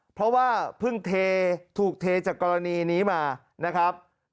เพราะว่าเพิ่งเทถูกเทจากกรณีนี้มานะครับ